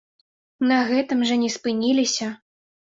І на гэтым жа не спыніліся!